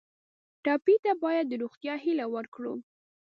ټپي ته باید د روغتیا هیله ورکړو.